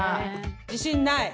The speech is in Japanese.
自信ない？